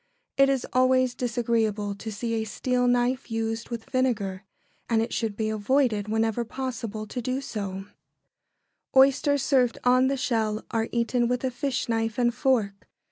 It is always disagreeable to see a steel knife used with vinegar, and it should be avoided whenever possible to do so. [Sidenote: Oysters.] Oysters served on the shell are eaten with a fish knife and fork.